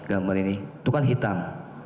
gambar ini itu kan hitam